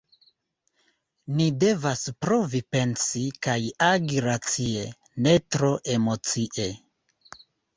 Ni devas provi pensi kaj agi racie, ne tro emocie.